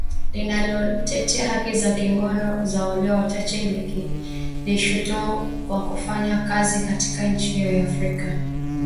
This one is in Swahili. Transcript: Linalotetea haki za kingono za walio wachache likilishutumu kwa kufanya kazi katika nchi hiyo ya Afrika Mashariki kinyume cha sheria, kwa mujibu wa afisa mwandamizi